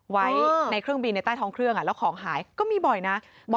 ไว้ในเครื่องบินในใต้ท้องเครื่องแล้วของหายก็มีบ่อยนะ